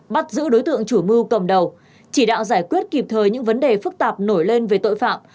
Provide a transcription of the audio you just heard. bắt giữ đối tượng chủ mưu cầm đầu chỉ đạo giải quyết kịp thời những vấn đề phức tạp nổi lên về tội phạm